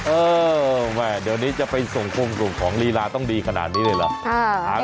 เออแม่เดี๋ยวนี้จะไปส่งโครงกลุ่มของลีลาต้องดีขนาดนี้เลยเหรอ